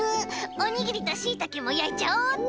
おにぎりとしいたけもやいちゃおうっと！